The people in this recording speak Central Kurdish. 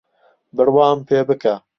بڕوام پێبکە